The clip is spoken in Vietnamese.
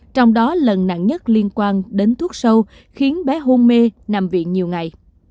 trong đó lần nặng nhất liên quan đến thuốc sâu khiến bé hôn mê nằm viện nhiều ngày